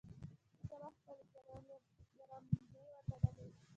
سارا خپلې ګرالبې وتړلې.